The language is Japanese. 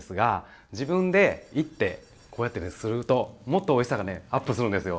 自分で煎ってこうやってするともっとおいしさがアップするんですよ。